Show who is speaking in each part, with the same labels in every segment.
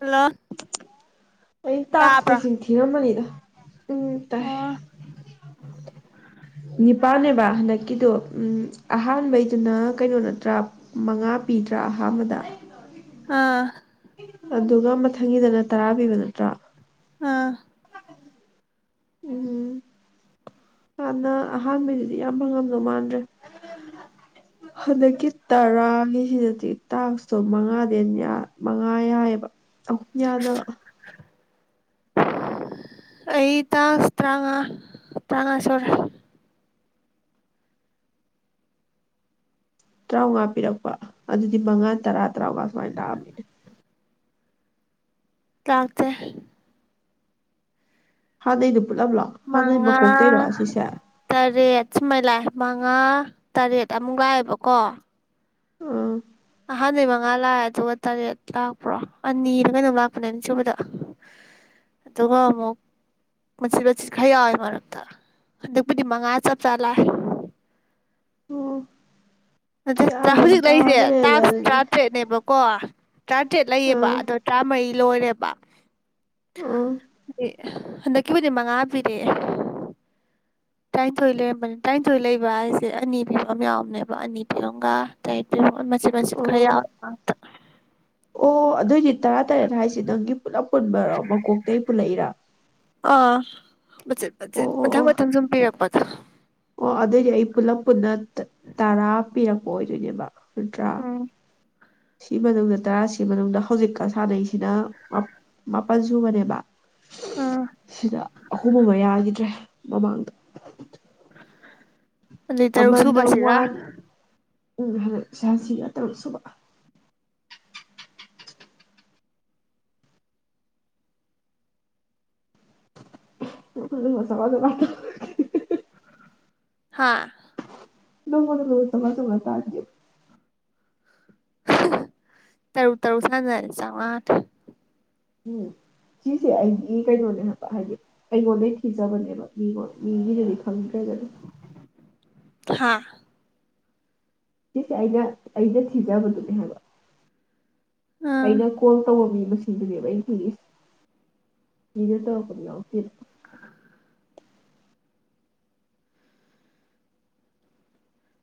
Speaker 1: hello
Speaker 2: ꯑꯩ ꯇꯥꯛꯁ
Speaker 1: ꯇꯥꯕ꯭ꯔꯣ
Speaker 2: ꯃꯁꯤꯡ ꯊꯤꯔꯝꯃꯅꯤꯗ ꯎꯝ ꯇꯥꯏ
Speaker 1: ꯑꯣ
Speaker 2: ꯅꯤꯄꯥꯟꯅꯦꯕ ꯍꯟꯗꯛꯀꯤꯗꯣ ꯎꯝ ꯑꯍꯥꯟꯕꯩꯗꯨꯅ ꯀꯩꯅꯣ ꯅꯠꯇ꯭ꯔ ꯃꯉꯥ ꯄꯤꯗ꯭ꯔꯥ ꯑꯍꯥꯟꯕꯗ
Speaker 1: ꯑꯥ
Speaker 2: ꯑꯗꯨꯒ ꯃꯊꯪꯒꯤꯗꯅ ꯇꯔꯥ ꯄꯤꯕ ꯅꯠꯇ꯭ꯔ
Speaker 1: ꯑꯥ
Speaker 2: ꯑꯅ ꯑꯍꯥꯟꯕꯩꯗꯨꯗꯤ ꯌꯥꯝ ꯐꯪꯉꯝꯗꯧ ꯃꯥꯟꯗ꯭ꯔꯦ ꯍꯟꯗꯛꯀꯤ ꯇꯔꯥꯅꯤꯍꯤꯗꯗꯤ ꯇꯥꯛꯁꯇꯣ ꯃꯉꯥꯗꯩ ꯍꯦꯟꯅ ꯌꯥ ꯃꯉꯥ ꯌꯥꯏꯑꯦꯕ ꯑꯃꯨꯛ ꯌꯥꯗꯕ
Speaker 1: ꯑꯩ ꯇꯥꯛꯁ ꯇꯔꯥꯉꯥ ꯇꯔꯥꯉꯥ ꯁꯨꯔꯦ
Speaker 2: ꯇꯔꯥꯎꯉꯥ ꯄꯤꯔꯛꯄ ꯑꯗꯨꯗꯤ ꯃꯉꯥ ꯇꯔꯥ ꯇꯔꯥꯎꯉꯥ ꯁꯨꯃꯥꯏ ꯂꯥꯛꯑꯝꯃꯅꯤ
Speaker 1: ꯂꯥꯛꯇꯦ
Speaker 2: ꯍꯥꯟꯅꯩꯗꯨ ꯄꯨꯂꯞꯂꯣ ꯍꯥꯟꯅꯩ
Speaker 1: ꯃꯉꯥ
Speaker 2: ꯃꯀꯣꯛ ꯇꯩꯔꯣ ꯑꯁꯤꯁꯦ
Speaker 1: ꯇꯔꯦꯠ ꯁꯨꯃꯥꯏ ꯂꯥꯛꯑꯦ ꯃꯉꯥ ꯇꯔꯦꯠ ꯑꯃꯨꯛ ꯂꯥꯛꯑꯦꯕꯀꯣ
Speaker 2: ꯎꯝ
Speaker 1: ꯑꯍꯥꯟꯕꯩ ꯃꯉꯥ ꯂꯥꯛꯑꯦ ꯑꯗꯨꯒ ꯇꯔꯦꯠ ꯇꯔꯥꯛꯄ꯭ꯔꯣ ꯑꯅꯤꯔ ꯀꯩꯅꯣꯝ ꯂꯥꯛꯄꯅꯦ ꯑꯅꯤꯁꯨꯕꯗ ꯑꯗꯨꯒ ꯑꯃꯨꯛ ꯃꯆꯤꯠ ꯃꯆꯤꯠ ꯈꯔ ꯌꯥꯎꯋꯦ ꯃꯔꯛꯇ ꯍꯟꯗꯛꯄꯨꯗꯤ ꯃꯉꯥ ꯆꯞ ꯆꯥ ꯂꯥꯛꯑꯦ
Speaker 2: ꯑꯣ
Speaker 1: ꯑꯗꯇꯥ
Speaker 2: ꯒ꯭ꯌꯥꯟ ꯑꯝ
Speaker 1: ꯍꯧꯖꯤꯛ ꯂꯩꯔꯤꯁꯦ
Speaker 2: ꯇꯥꯗ꯭ꯔꯦꯗ
Speaker 1: ꯇꯥꯛꯁ
Speaker 2: ꯑꯗꯨꯗꯤ
Speaker 1: ꯇꯔꯥꯇꯔꯦꯠꯅꯦꯕꯀꯣ ꯇꯔꯥꯇ꯭ꯔꯦꯠ ꯂꯩꯌꯦꯕ
Speaker 2: ꯑꯥ
Speaker 1: ꯑꯗꯣ ꯇꯔꯥꯃꯔꯤ ꯂꯣꯏꯔꯦꯕ
Speaker 2: ꯑꯣ
Speaker 1: ꯍꯟꯗꯛꯀꯤꯕꯨꯗꯤ ꯃꯉꯥ ꯄꯤꯔꯦꯑꯦ ꯇꯔꯥꯅꯤꯊꯣꯏ ꯂꯩꯔꯝꯕꯅꯦ ꯇꯔꯥꯅꯤꯊꯣꯏ ꯂꯩꯕ ꯍꯥꯏꯁꯦ ꯑꯅꯤ ꯄꯤꯕ ꯑꯃ ꯌꯥꯎꯕꯅꯦꯕ ꯑꯅꯤ ꯀꯩꯅꯣꯝꯒ [unintelligible] ꯃꯆꯤꯠ ꯃꯆꯤꯠ ꯈꯔ
Speaker 2: ꯑꯣ
Speaker 1: ꯌꯥꯎꯋꯦ ꯉꯥꯛꯇ
Speaker 2: ꯑꯣ ꯑꯗꯨꯑꯣꯏꯗꯤ ꯇꯔꯥ ꯇꯔꯦꯠ ꯍꯥꯏꯖꯤ ꯅꯪꯒꯤ ꯄꯨꯂꯞ ꯄꯨꯟꯕꯔꯣ ꯃꯀꯣꯛꯇꯩ ꯄꯨꯜꯂꯛꯏꯔꯥ
Speaker 1: ꯑꯥ ꯃꯆꯤꯠ ꯃꯆꯤꯠ
Speaker 2: ꯑꯣ ꯑꯣ
Speaker 1: ꯃꯊꯪ
Speaker 2: ꯑꯣ
Speaker 1: ꯃꯊꯪ ꯁꯨꯝ ꯄꯤꯔꯛꯄ
Speaker 2: ꯑꯣ ꯑꯗꯨꯑꯣꯏꯗꯤ ꯑꯩ ꯄꯨꯂꯞ ꯄꯨꯟꯅ ꯇꯔꯥ ꯄꯤꯔꯛꯄ ꯑꯣꯏꯗꯣꯏꯅꯦꯕ ꯅꯠꯇ꯭ꯔꯥ
Speaker 1: ꯎꯝ
Speaker 2: ꯁꯤ ꯃꯅꯨꯡꯗ ꯇꯔꯥ ꯁꯤ ꯃꯅꯨꯡꯗ ꯍꯧꯖꯤꯛꯀ ꯁꯥꯟꯅꯩꯁꯤꯅ ꯃꯥ ꯃꯥꯄꯟ ꯁꯨꯕꯅꯦꯕ
Speaker 1: ꯑꯥ
Speaker 2: ꯁꯤꯗ ꯑꯍꯨꯝ ꯑꯃ ꯌꯥꯒꯤꯗ꯭ꯔꯦ ꯃꯃꯥꯡꯗ
Speaker 1: ꯑꯗꯨꯏ ꯇꯔꯨꯛ
Speaker 2: ꯑꯃꯅ
Speaker 1: ꯁꯨꯕꯁꯤꯒ
Speaker 2: ꯋꯥꯠ [unintelligible] [unintelligible]
Speaker 1: ꯍꯥꯥ
Speaker 2: ꯅꯪꯉꯣꯟꯗ ꯂꯣꯏ [unintelligible]
Speaker 1: ꯇꯔꯨ ꯇꯔꯨ [unintelligible]
Speaker 2: ꯎꯝ ꯁꯤꯁꯦ ꯑꯩꯒꯤ ꯀꯩꯅꯣꯅꯦ ꯍꯥꯏꯕ ꯍꯥꯏꯗꯤ ꯑꯩꯉꯣꯟꯗꯩ ꯊꯤꯖꯕꯅꯦꯕ ꯃꯤꯉꯣꯟ ꯃꯤꯒꯤꯗꯗꯤ ꯈꯪꯗ꯭ꯔꯦꯗꯅ
Speaker 1: ꯍꯥꯥ
Speaker 2: ꯁꯤꯁꯦ ꯑꯩꯅ ꯑꯩꯗ ꯊꯤꯖꯕꯗꯨꯅꯦ ꯍꯥꯏꯕ
Speaker 1: ꯑꯥ
Speaker 2: ꯑꯩꯅ ꯀꯣꯜ ꯇꯧꯕ ꯃꯤ ꯃꯁꯤꯡ ꯁꯤꯡꯗꯨꯅꯦꯕ ꯑꯩꯅ ꯊꯤꯔꯤꯁꯤ ꯃꯤꯅ ꯇꯧꯔꯛꯄꯗꯣ ꯌꯥꯎꯇꯦꯗ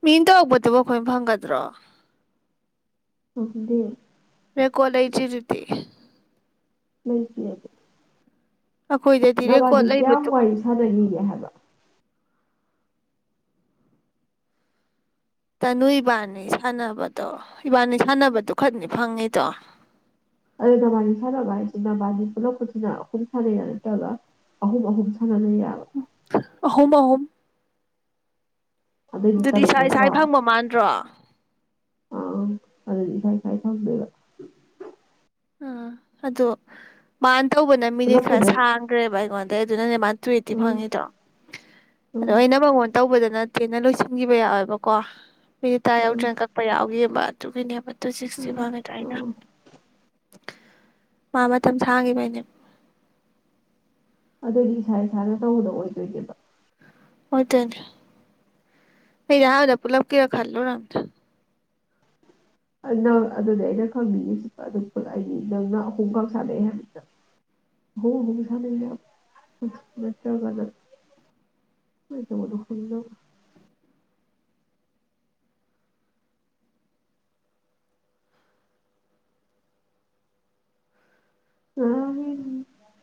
Speaker 1: ꯃꯤꯟ ꯇꯧꯔꯛꯄꯗꯨꯕꯨ ꯑꯩꯈꯣꯏ ꯐꯪꯒꯗ꯭ꯔꯣ
Speaker 2: [unintelligible]
Speaker 1: ꯔꯦꯀꯣꯔꯗ ꯂꯩꯇ꯭ꯔꯤꯗꯨꯗꯤ
Speaker 2: ꯂꯩꯇꯦ
Speaker 1: ꯑꯩꯈꯣꯏꯗꯗꯤ
Speaker 2: ꯅꯕꯥꯗꯤ
Speaker 1: ꯔꯦꯀꯣꯔꯠ
Speaker 2: ꯀꯌꯥꯝ
Speaker 1: ꯂꯩꯕꯗꯣ
Speaker 2: ꯋꯥꯔꯤ ꯁꯥꯟꯅꯅꯤꯡꯒꯦ ꯍꯥꯏꯕ
Speaker 1: ꯇꯅꯨ ꯏꯕꯥꯅꯤ ꯁꯥꯟꯅꯕꯗꯣ ꯏꯕꯥꯅꯤ ꯁꯥꯟꯅꯕꯗꯣ ꯈꯛꯇꯅꯤ ꯐꯪꯉꯤꯗꯣ
Speaker 2: ꯑꯗꯨꯗꯣ ꯅꯕꯥꯅꯤ ꯁꯥꯟꯅꯕ ꯍꯥꯏꯁꯤ ꯅꯕꯥꯅꯤ ꯄꯨꯜꯂꯛꯄꯁꯤꯅ ꯑꯍꯨꯝ ꯁꯥꯟꯅꯩꯔ ꯅꯠꯇ꯭ꯔꯛ ꯑꯍꯨꯝ ꯑꯍꯨꯝ ꯁꯥꯟꯅꯂꯩꯔꯥ
Speaker 1: ꯑꯍꯨꯝ ꯑꯍꯨꯝ
Speaker 2: ꯑꯗꯨꯗꯤ ꯇꯔꯨꯛ
Speaker 1: ꯏꯁꯥ ꯏꯁꯥ
Speaker 2: ꯅꯠꯇ꯭ꯔꯣ
Speaker 1: ꯐꯪꯕ ꯃꯥꯟꯗ꯭ꯔꯣ
Speaker 2: ꯑꯪ ꯑꯗꯨꯗꯤ ꯏꯁꯥ ꯏꯁꯥꯏ ꯐꯪꯗꯣꯏꯕ
Speaker 1: ꯑꯥ ꯑꯗꯣ ꯃꯥꯅ ꯇꯧꯕꯅ ꯃꯤꯅꯤꯠ ꯈꯔ
Speaker 2: ꯄꯨꯂꯞꯄꯨꯗ
Speaker 1: ꯁꯥꯡꯒ꯭ꯔꯦꯕ ꯑꯩꯉꯣꯟꯗꯩ ꯑꯗꯨꯅꯅꯦ ꯃꯥꯅ ꯇꯨ ꯑꯦꯠꯇꯤ
Speaker 2: ꯎꯝ
Speaker 1: ꯐꯪꯉꯤꯗꯣ ꯑꯗꯣ
Speaker 2: ꯎꯝ
Speaker 1: ꯑꯩꯅ ꯃꯉꯣꯟ ꯇꯧꯕꯗꯅ ꯇꯦꯟꯅ ꯂꯣꯏꯁꯤꯟꯈꯤꯕ ꯌꯥꯎꯋꯦꯕꯀꯣ ꯃꯤꯅꯤꯠ ꯇꯔꯥ
Speaker 2: ꯎꯝ
Speaker 1: ꯌꯥꯎꯗ꯭ꯔꯤꯉꯩ ꯀꯛꯄ ꯌꯥꯎꯒꯤꯕ ꯑꯗꯨꯒꯤꯅꯦꯕ ꯇꯨ ꯁꯤꯛꯁꯇꯤ
Speaker 2: ꯎꯝ
Speaker 1: ꯐꯪꯉꯤꯗꯣ ꯑꯩꯅ
Speaker 2: ꯎꯝ
Speaker 1: ꯃꯥ ꯃꯇꯝ ꯁꯥꯡꯈꯤꯕꯩꯅꯦ
Speaker 2: ꯑꯗꯨꯗꯤ ꯏꯁꯥ ꯏꯁꯥꯅ ꯇꯧꯕꯗꯣ ꯑꯣꯏꯗꯣꯏꯅꯦꯕ
Speaker 1: ꯑꯣꯏꯗꯨꯅꯦ ꯑꯩꯗꯤ ꯑꯍꯥꯟꯕꯗ ꯄꯨꯂꯞ ꯀꯤꯔ ꯈꯜꯂꯨꯔꯝꯃꯦ
Speaker 2: [inaudible] ꯑꯩ ꯅꯪ ꯑꯗꯨꯅꯤ ꯑꯩꯅ ꯈꯪꯅꯤꯡꯉꯤꯁꯤ ꯑꯗꯨ ꯄꯨꯂ ꯑꯩꯅꯤ ꯅꯪꯅ ꯑꯍꯨꯝꯈꯛ ꯁꯥꯟꯅꯩ ꯍꯥꯏꯕꯗꯨꯗ ꯑꯍꯨꯝ ꯑꯍꯨꯝ ꯁꯥꯟꯅꯩꯅꯦ ꯎꯝ ꯅꯠꯇ꯭ꯔꯒꯅ ꯑꯩ ꯇꯧꯕꯗꯣ ꯈꯪꯅꯕ ꯉꯔꯥꯡꯒꯤ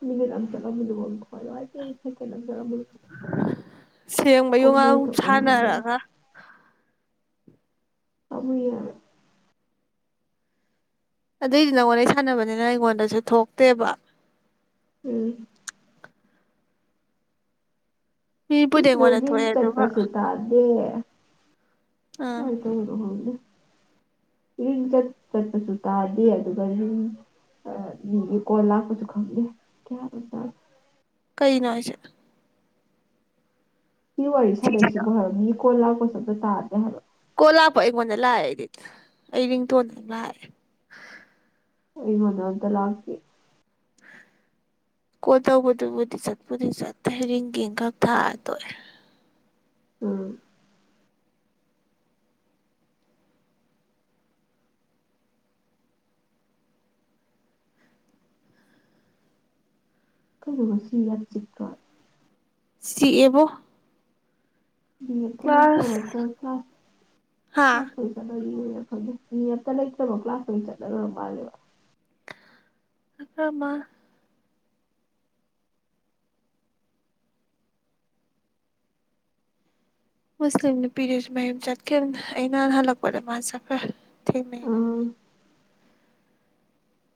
Speaker 2: ꯃꯤꯅꯤꯠ ꯑꯃ ꯆꯠꯂꯝꯕꯗꯨꯐꯥꯎ ꯑꯩ ꯊꯋꯥꯏ ꯅꯨꯡꯉꯥꯏꯇꯦ ꯁꯦꯀꯦꯟ ꯑꯃ ꯆꯠꯂꯝꯕꯗꯨ
Speaker 1: ꯁꯦꯡꯕꯩ
Speaker 2: ꯀꯣꯡꯒꯣ
Speaker 1: ꯋꯥꯎ
Speaker 2: ꯊꯣꯛꯄꯩ ꯉꯥꯡꯅꯔꯦ
Speaker 1: ꯁꯥꯟꯅꯔꯒ
Speaker 2: ꯄꯥꯝꯃꯨꯏꯌꯦꯕ
Speaker 1: ꯑꯗꯨꯏꯗꯤ ꯅꯪꯉꯣꯟꯗꯩ ꯁꯥꯟꯅꯕꯅꯤꯅ ꯑꯩꯉꯣꯟꯗꯁꯨ ꯊꯣꯛꯇꯦꯕ
Speaker 2: ꯎꯝ
Speaker 1: ꯃꯤꯕꯨꯗꯤ ꯑꯩꯉꯣꯟꯗ
Speaker 2: ꯀ꯭ꯔꯤꯁꯅꯗꯤꯟ
Speaker 1: ꯊꯣꯛꯑꯦ ꯑꯗꯨꯒ
Speaker 2: ꯆꯠꯄꯁꯨ ꯇꯥꯗꯦ
Speaker 1: ꯑꯥ
Speaker 2: ꯍꯣꯏ [unintelligible] ꯈꯪꯗꯦ ꯔꯤꯡ ꯆꯠ ꯆꯠꯄꯁꯨ ꯇꯥꯗꯦ ꯑꯗꯨꯒ ꯔꯤꯡ ꯑ ꯃꯤꯒꯤ ꯀꯣꯜ ꯂꯥꯛꯄꯁꯨ ꯈꯪꯗꯦ ꯒ꯭ꯌꯥꯟ ꯑꯝ ꯇꯥꯗꯦ
Speaker 1: ꯀꯩꯅꯣ ꯍꯥꯏꯁꯦ
Speaker 2: ꯁꯤ ꯋꯥꯔꯤ ꯁꯥꯥꯟꯅꯩꯁꯤꯕꯨ ꯍꯥꯏꯕ ꯃꯤ ꯀꯣꯜ ꯂꯥꯛꯄꯁꯨ ꯑꯝꯇ ꯇꯥꯗꯦ ꯍꯥꯏꯕ
Speaker 1: ꯀꯣ ꯂꯥꯛꯄ ꯑꯩꯉꯣꯟꯗ ꯂꯥꯛꯑꯦ ꯑꯩꯗꯤ ꯑꯩ ꯔꯤꯡꯇꯣꯟꯗ ꯂꯥꯛꯑꯦ
Speaker 2: ꯑꯩꯉꯣꯟꯗ ꯑꯝꯇ ꯂꯥꯛꯇꯦ
Speaker 1: ꯀꯣꯜ ꯇꯧꯕꯗꯨꯕꯨꯗꯤ ꯆꯠꯄꯨꯗꯤ ꯆꯠꯇꯦ ꯔꯤꯡꯒꯤꯡ ꯈꯛ ꯊꯥꯔ ꯇꯣꯛꯑꯦ
Speaker 2: ꯎꯝ ꯀꯩꯅꯣ ꯉꯁꯤ ꯌꯥꯝ ꯆꯤꯛꯇ꯭ꯔꯥ
Speaker 1: ꯆꯤꯛꯑꯦꯕꯣ
Speaker 2: ꯃꯤ ꯑꯝꯇ ꯂꯩꯇ꯭ꯔꯕꯣ
Speaker 1: ꯀ꯭ꯂꯥꯁ ꯍꯥ
Speaker 2: [unintelligible] ꯑꯣꯏꯅ ꯐꯪ ꯃꯤ ꯑꯝꯇ ꯂꯩꯇ꯭ꯔꯕ ꯀ꯭ꯂꯥꯁꯇ ꯆꯠꯅꯔꯣꯏꯔ ꯃꯥꯜꯂꯦꯕ
Speaker 1: ꯑꯄꯥꯃ ꯃꯨꯁꯂꯤꯝ ꯅꯨꯄꯤꯗꯁꯨ ꯃꯌꯨꯝ ꯆꯠꯀꯦꯅ ꯑ ꯅꯍ ꯍꯜꯂꯛꯄꯗ ꯃꯥꯁꯠ ꯈꯔ ꯊꯦꯡꯅꯩ
Speaker 2: ꯑꯥ
Speaker 1: ꯂꯝꯕꯤꯗ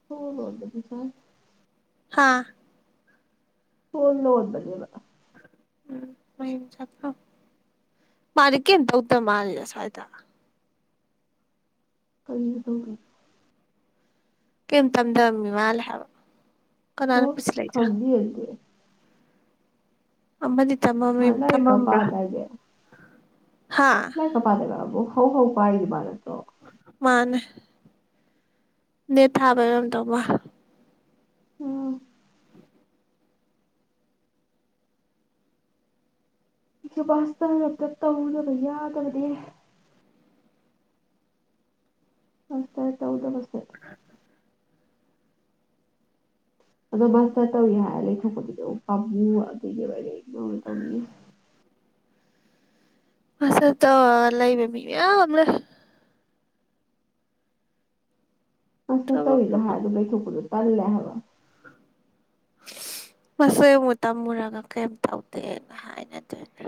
Speaker 2: ꯍꯒꯗꯤ ꯐꯔ [inaudible]
Speaker 1: ꯍꯥꯥ
Speaker 2: ꯍꯜ ꯂꯣꯕꯅꯤꯕ
Speaker 1: ꯎꯝ ꯃꯌꯨꯝ ꯆꯠ ꯈꯔꯝꯅꯤ ꯃꯥꯗꯤ ꯀꯌꯨꯝ ꯇꯧꯗ ꯃꯥꯅꯤꯂꯁꯥꯏꯗ
Speaker 2: ꯀꯔꯤꯕꯨ ꯇꯧꯗꯩꯅꫭ
Speaker 1: ꯀꯔꯤꯝ ꯇꯝꯗꯕ ꯃꯤ ꯃꯥꯜꯂꯦ ꯍꯥꯏꯕ ꯀꯅꯥꯅ
Speaker 2: ꯑꯣ
Speaker 1: ꯄꯨꯁꯤꯜꯂꯛꯏꯖ
Speaker 2: [unintelligible]
Speaker 1: ꯑꯃꯗꯤꯃꯝ
Speaker 2: ꯃꯥ ꯂꯥꯏꯔꯤꯛꯀ
Speaker 1: ꯊꯝꯃꯝꯕ꯭ꯔꯥ
Speaker 2: ꯄꯥꯗꯥꯏꯅꯦ
Speaker 1: ꯍꯥ
Speaker 2: ꯀ ꯄꯗꯦꯕꯕꯨ ꯍꯣ ꯍꯧ ꯄꯥꯏꯗꯤ ꯃꯥꯅꯠꯇꯣ
Speaker 1: ꯃꯥꯅꯦ ꯅ‌ꯩꯠ ꯊꯥꯕꯔꯝ ꯇꯧꯃ
Speaker 2: ꯎꯝ ꯑꯩꯁꯨꯕꯁꯇꯂꯞꯛꯇꯞ ꯇꯧꯗꯅꯕ ꯌꯥꯗ꯭ꯔꯕꯅꯤ ꯑꯁ ꯇꯔ ꯇꯧꯗꯕꯁ ꯑꯗꯣ ꯃꯥꯁꯇꯔ ꯇꯧꯏꯦ ꯍꯥꯏꯔ ꯂꯩꯊꯣꯛꯄꯗꯨꯗ ꯑꯃ ꯄꯥꯝꯃꯨ ꯑꯗꯨꯏꯗꯤ ꯔ ꯅꯧꯅ ꯇꯧꯅꯤꯡꯉꯤ
Speaker 1: ꯃꯥꯁꯇꯔ ꯇꯧꯔ ꯂꯩꯕ ꯃꯤ ꯃꯌꯥꯝꯂꯩ
Speaker 2: ꯑꯁ ꯇꯧꯔꯤꯗꯣ
Speaker 1: ꯊꯕꯛꯁꯨ
Speaker 2: ꯍꯥꯏꯗ ꯂꯩꯩꯊꯣꯛꯄꯗꯣ ꯇꯜꯂꯦ ꯍꯥꯏꯕ
Speaker 1: ꯃꯁꯣꯏ ꯑꯃꯨꯛ ꯇꯝꯃꯨꯔꯒ ꯀꯩꯝ ꯇꯧꯗꯦꯅ ꯍꯥꯏꯅꯗꯩꯅꯤ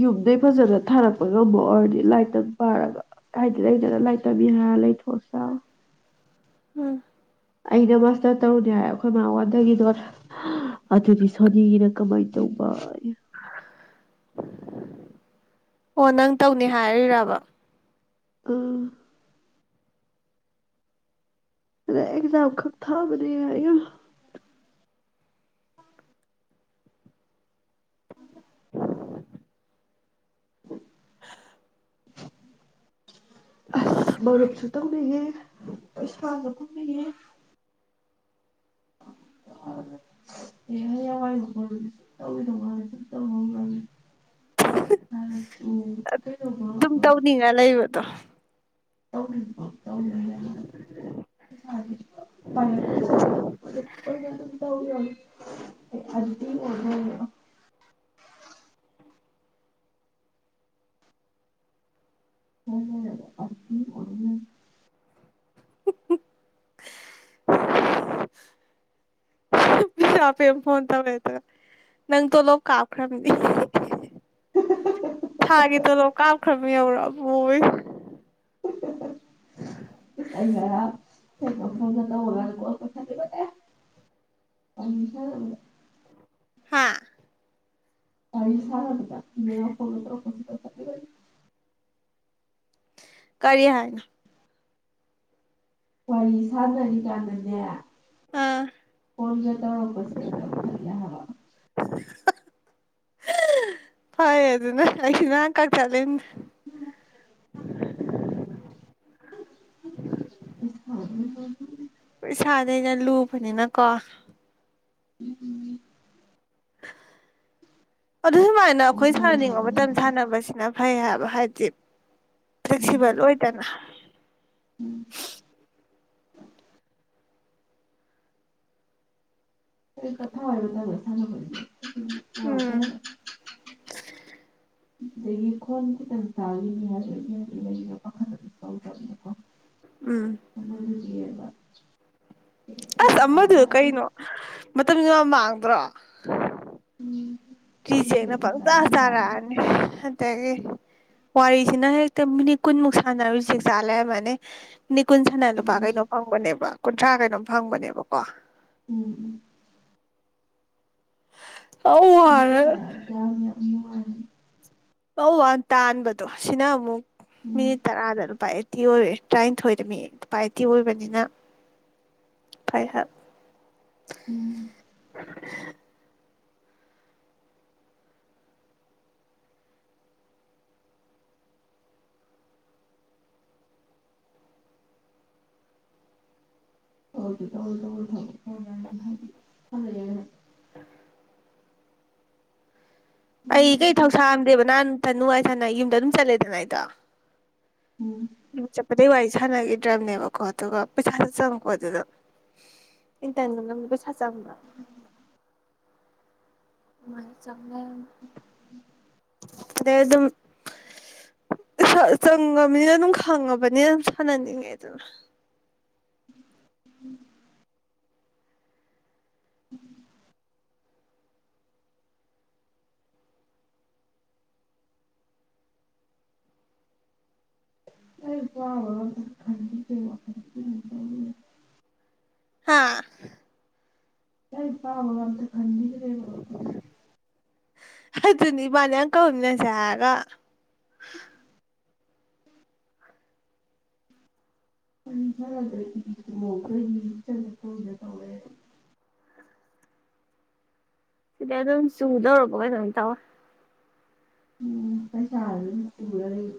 Speaker 2: ꯌꯨꯝꯗꯒꯤ ꯐꯖꯅ ꯊꯥꯔꯛꯄ ꯉꯝꯃꯣ ꯑꯣꯏꯔꯗꯤ ꯂꯥꯏꯠꯇꯪ ꯄꯥꯔꯒ ꯍꯥꯏꯗꯤ ꯂꯩꯇꯅ ꯂꯩꯇꯕꯤꯔ ꯂꯩꯊꯣꯛꯄ
Speaker 1: ꯎꯝ
Speaker 2: ꯑꯩꯅ ꯃꯥꯁꯇꯔ ꯇꯧꯔꯨꯅꯦ ꯍꯥꯏ ꯑꯩꯈꯣꯏ ꯃ ꯋꯥꯗꯒꯤꯗꯣꯔ‌ꯦ ꯑꯗꯨꯗꯤ ꯁꯣꯅꯤꯒꯤꯅ ꯀꯃꯥꯏꯅ ꯇꯧꯕ
Speaker 1: ꯑꯣ ꯅꯪ ꯇꯧꯅꯤ ꯍꯥꯏꯔꯤꯔꯕ
Speaker 2: ꯎꯝ ꯑꯗ ꯑꯦꯛꯖꯥꯝ ꯈꯛ ꯊꯥꯕꯗꯤ ꯑꯌꯨꯝ ꯑꯁ ꯃꯔꯨꯞꯁꯨ ꯇꯧꯅꯤꯡꯉ‌ꯦ ꯄꯩꯁꯥꯁꯨ ꯐꯥꯔꯗꯉ‌ꯦ [unintelligible] ꯑꯦ ꯍ ꯍꯋꯥꯏ ꯃꯈꯣ ꯇꯧꯋꯤꯗꯧ ꯃꯥꯂ ꯇꯧ ꯉꯂ ꯀꯩꯅꯣꯃ
Speaker 1: ꯑꯗꯨꯝ
Speaker 2: ꯑꯃ
Speaker 1: ꯇꯧꯅꯤꯡꯉ ꯂꯩꯕꯗꯣ
Speaker 2: ꯇꯧꯔꯤ ꯇꯧ ꯃꯤꯒꯅꯤ ꯀꯔꯤ ꯁꯔꯋꯥ ꯃ ꯄꯅ ꯑꯗꯨꯝ ꯇꯧꯔꯕ ꯑꯗꯤ ꯑꯣꯍ [unintelligible]
Speaker 1: [inaudible] ꯄꯄꯦ ꯐꯣꯟꯟ ꯇꯧꯕ ꯂꯩ ꯅꯪ ꯇꯣꯂꯣꯞ ꯀꯥꯞꯈ꯭ꯔꯃꯤꯅꯤ
Speaker 2: [unintelligible]
Speaker 1: ꯊꯥꯒꯤ ꯇꯂꯣ ꯀꯥꯞꯈ꯭ꯔꯕ ꯌꯧꯔꯛꯑꯕꫭ ꯍꯣꯏ
Speaker 2: ꯏꯁ ꯑꯩ ꯉꯔꯥꯡ [unintelligible]
Speaker 1: ꯍꯥꯥ
Speaker 2: ꯒꯥꯔꯤ ꯁꯔꯛ ꯐꯣꯒ
Speaker 1: ꯀꯔꯤ ꯍꯥꯏꯅꫭ
Speaker 2: ꯋꯥꯔꯤ ꯁꯥꯟꯅꯔꯤꯀꯥꯟꯗꯅꯦ
Speaker 1: ꯑꯥ
Speaker 2: ꯐꯣꯟꯒ ꯇꯧꯔꯝꯕꯁꯦ ꯇꯧꯊꯠꯂ ꯍꯥꯏꯕ
Speaker 1: ꯐꯩ ꯑꯗꯨꯅ ꯑꯩꯁꯤ ꯅꯍꯥꯟ ꯀꯛ ꯆꯠꯂꯤ
Speaker 2: [unintelligible] [unintelligible]
Speaker 1: ꯄꯩꯁꯥ ꯅ ꯍ‌‌ꯦꯟꯅ ꯂꯨꯕꯅꯤꯅ ꯀꯣ
Speaker 2: [unintelligible]
Speaker 1: ꯑꯗꯨ ꯁꯨꯃꯥꯏꯅ ꯑꯩꯈꯣꯏ
Speaker 2: ꯄꯪꯂꯣꯏ
Speaker 1: ꯁꯥꯟꯅꯤꯡꯕ ꯃꯇꯝ
Speaker 2: ꯂꯣꯏꯔꯦ
Speaker 1: ꯁꯥꯟꯅꯕꯁꯤꯅ ꯐꯩ ꯍꯥꯏꯕ ꯍꯥꯏꯗꯤ
Speaker 2: ꯎꯝ
Speaker 1: ꯐ꯭ꯂꯦꯛꯁꯤꯕꯜ ꯑꯣꯏꯗꯅ
Speaker 2: ꯎꯝ ꯀ ꯄꯣꯊꯥ ꯍꯥꯏꯕ ꯃꯇꯝꯗ ꯁꯥꯟꯅꯦ
Speaker 1: ꯎꯝ
Speaker 2: [unintelligible] ꯑꯗꯒꯤ ꯈꯣꯟ ꯈꯤꯇꯪ ꯇꯥꯔꯤꯅꯤ ꯍꯥꯏꯕ ꯏꯒꯤꯅ ꯄꯥꯈꯜ ꯑꯗꯨꯝ ꯇꯗꯕꯅꯤꯀꯣ [inaudible]
Speaker 1: ꯎꯝ
Speaker 2: [unintelligible]
Speaker 1: ꯑꯁ
Speaker 2: ꯀꯩꯝꯇ ꯇꯥ
Speaker 1: ꯑꯃꯗꯨ
Speaker 2: ꯌꯥꯗꯦ
Speaker 1: ꯀꯩꯅꯣ ꯃꯇꯝ ꯌꯥꯝ ꯃꯥꯡꯗ꯭ꯔꯣ
Speaker 2: ꯎꯝ
Speaker 1: ꯐꯤꯖꯦꯅ
Speaker 2: ꯃꯤꯕꯦꯠ ꯃꯆꯥ
Speaker 1: ꯄꯪꯇꯥ
Speaker 2: ꯑꯃ ꯆꯥꯕꯅꯤ
Speaker 1: ꯆꯥꯔꯛꯑꯅꯤ ꯑꯗꯒꯤ ꯋꯥꯔꯤꯖꯤꯅ ꯍꯦꯛꯇ ꯃꯤꯅꯤꯠ ꯀꯨꯟꯃꯨꯛ ꯁꯥꯟꯅꯔꯨ ꯆ ꯆꯥ ꯂꯩꯔꯃꯅꯦ ꯅꯤꯀꯨꯟ ꯁꯅ ꯂꯨꯄꯥ
Speaker 2: ꯎꯝ
Speaker 1: ꯀꯩꯅꯣ ꯐꯪꯕꯅꯦꯕ ꯀꯨꯟꯊ꯭ꯔꯥ ꯀꯩꯅꯣꯝ ꯐꯪꯕꯅꯦꯕꯀꯣ
Speaker 2: ꯎꯝ ꯎꯝ
Speaker 1: ꯑ
Speaker 2: ꯀꯩꯝꯇ
Speaker 1: ꯋꯥꯔ‌ꯦ
Speaker 2: ꯇꯥ ꯌꯥꯗꯦ [unintelligible]
Speaker 1: ꯄꯧ ꯋꯥꯟ ꯇꯥꯟꯕꯗꯣ ꯁꯤꯅ ꯑꯃꯨꯛ
Speaker 2: ꯎꯝ
Speaker 1: ꯃꯤꯅꯤꯠ ꯇꯔꯥꯗ ꯂꯨꯄꯥ ꯑꯦꯇꯤ ꯑꯣꯏꯔꯦ ꯇꯔꯥꯅꯤꯊꯣꯏꯗ ꯃꯤꯅꯤꯠ ꯂꯨꯄꯥ ꯑꯦꯇꯤ ꯑꯣꯏꯕꯅꯤꯅ ꯐꯩ ꯍꯥꯏ
Speaker 2: ꯎꯝ [unintelligible] [unintelligible]
Speaker 1: ꯑꯩ ꯀꯩ
Speaker 2: ꯎꯝ
Speaker 1: ꯊꯧꯁꯥꯑꯝꯗꯦꯕ ꯅꯍꯥꯟ ꯊ ꯅꯨꯡꯉꯥꯏ ꯅ ꯁꯥꯅꯒꯤ ꯕꯗ‌ꯣ ꯑꯗꯨꯝ ꯆꯠꯂꯦꯗꯅ ꯑꯩꯗꯣ
Speaker 2: ꯎꯝ
Speaker 1: ꯎꯝ ꯆꯠꯄꯗꯩ ꯋꯥꯔꯤ ꯁꯥꯟꯅ ꯒꯤꯗ꯭ꯔꯝꯅꯦꯕꯀꯣ ꯑꯗꯨꯒ ꯄꯩꯁꯥꯁꯨ ꯆꯪꯉꯛꯄ ꯑꯗꯨꯗ ꯏꯟꯇꯅ ꯅ‌ꯪꯕꯨ ꯄꯩꯁꯥ ꯆꯪ ꯃꯝꯥꯡ ꯗ ꯆꯪꯉ‌ꯦ ꯑꯗꯩ ꯑꯗꯨꯝ ꯆꯪꯉꯝꯅꯤꯅ ꯑꯗꯨꯝ ꯈꯪꯉꯕꯅꯤꯅ ꯑꯗꯨꯝ ꯁꯥꯟꯅꯅꯤꯡꯉꯦ ꯗꯅ
Speaker 2: [inaudible] [inaudible] [unintelligible] [unintelligible]
Speaker 1: ꯍꯥꯥ
Speaker 2: ꯀꯩ ꯄꯥꯕꯒ ꯑꯝꯇꯥ ꯈꯟꯕꯤꯗꯔ‌ꯦꯕ [unintelligible]
Speaker 1: ꯑꯗꯨꯅꯤ ꯃꯥꯅꯦꯌꯥꯟ ꯀꯧꯃꯤꯟ ꯅꯁ‌ꯦ ꯍꯥꯏꯒ
Speaker 2: ꯑꯩ ꯁꯥꯟꯅꯗ꯭ꯔ ꯀꯗꯤ [unintelligible] ꯇꯧꯗ ꯇꯧꯔꯦ
Speaker 1: ꯁꯤꯗꯤ ꯑꯗꯨꯝ ꯆꯨꯗꯧꯔꯕ ꯀꯩꯩꯅꯣꯝ ꯇꯧ
Speaker 2: ꯎ ꯄꯩꯁꯥ ꯑꯗꯨꯝ ꯄꯨꯔ ꯂꯩ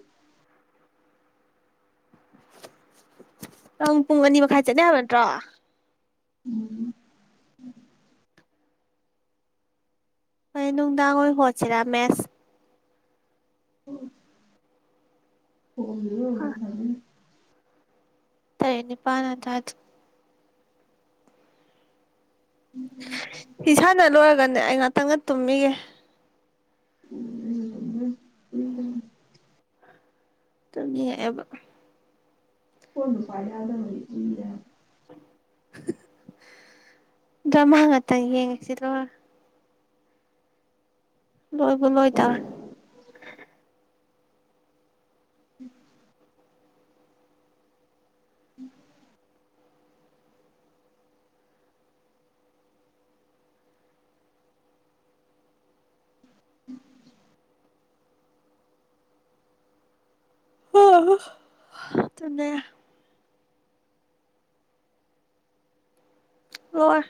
Speaker 1: ꯅꯪ ꯄꯨꯡ ꯑꯅꯤ ꯃꯈꯥꯏ ꯆꯠꯅꯤ ꯍꯥꯏꯕ ꯅꯠꯇ꯭ꯔꯣ
Speaker 2: ꯎꯝ
Speaker 1: ꯑꯩ ꯅꯨꯡꯗꯥꯡꯑ‌ꯣꯏ ꯍꯣꯠꯁꯤꯔꯥ ꯃꯦꯁ
Speaker 2: [unintelligible]
Speaker 1: ꯇꯔꯦꯠ ꯅꯤꯄꯥꯅ ꯑꯗꯥꯏꯗ
Speaker 2: [unintelligible]
Speaker 1: ꯏꯁꯥꯅ ꯂꯣꯏꯔꯒꯅꯦ ꯑꯩ ꯉꯥꯛꯇꯪ ꯉ ꯇꯨꯝꯃꯤꯒꯦ
Speaker 2: [unintelligible]
Speaker 1: ꯇꯨꯝꯅꯤꯡꯉꯛꯑꯦꯕ
Speaker 2: [unintelligible]
Speaker 1: ꯗ꯭ꯔꯃꯥ ꯉꯥꯛꯇꯪ ꯌꯦꯡꯁꯤꯔꯣ ꯂꯣꯏꯕꯨ ꯂꯣꯏꯗꯥ
Speaker 2: [unintelligible] [unintelligible] [unintelligible]
Speaker 1: [unintelligible] ꯇꯨꯝꯅꯤꯡꯉꯦ ꯂꯣꯏꯔꯦ